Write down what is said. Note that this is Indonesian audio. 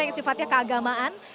yang sifatnya keagamaan